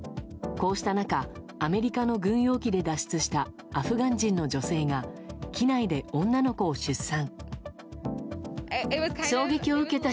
こうした中アメリカの軍用機で脱出したアフガン人の女性が機内で女の子を出産。